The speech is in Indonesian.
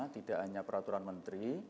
tidak hanya peraturan menteri